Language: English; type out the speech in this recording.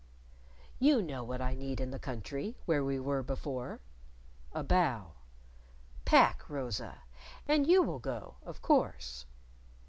"You know what I need in the country where we were before." A bow. "Pack, Rosa. And you will go, of course."